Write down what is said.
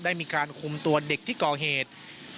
ได้มีการคุมตัวเด็กที่ก่อเหตุ